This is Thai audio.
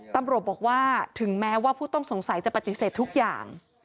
ตำรวจบอกว่าถึงแม้ว่าผู้ต้องสงสัยจะปฏิเสธทุกอย่าง